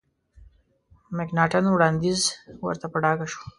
مکناټن وړاندیز ورته په ډاګه شو.